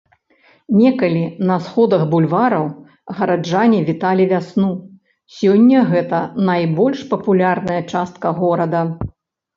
Некалі на сходах бульвараў гараджане віталі вясну, сёння гэта найбольш папулярная частка горада.